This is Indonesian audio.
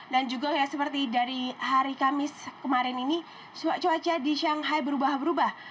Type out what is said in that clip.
dan juga seperti dari hari kamis kemarin ini cuaca di shanghai berubah ubah